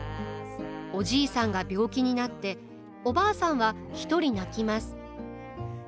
おじいさんが病気になっておばあさんは独り泣きます。